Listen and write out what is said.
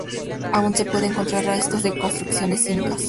Aún se pueden encontrar restos de construcciones Incas.